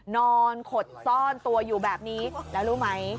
นอนขดซ่อนตัวอยู่แบบนี้แล้วรู้ไหม